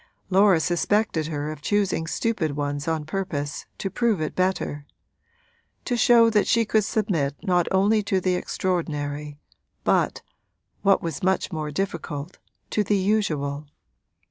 Laura suspected her of choosing stupid ones on purpose to prove it better to show that she could submit not only to the extraordinary but, what was much more difficult, to the usual.